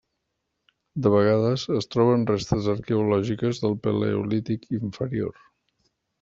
De vegades es troben restes arqueològiques del Paleolític inferior.